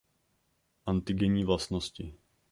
Antigenní vlastnosti.